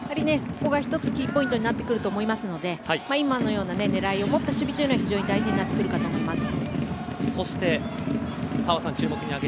ここが１つ、キーポイントになってくると思いますので今のような狙いを持った守備は非常に大事になってくるかと思います。